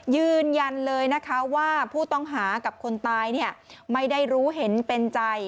ยืนยันเลยนะคะว่าผู้ต้องหากับคนตายไม่ได้รู้เห็นเป็นใจ